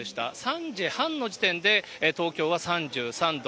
３時半の時点で、東京は３３度。